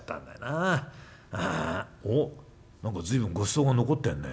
ああおっ何か随分ごちそうが残ってんね。